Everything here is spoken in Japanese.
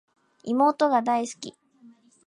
妹が大好き